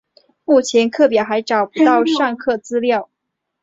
目前课表还找不到上课资料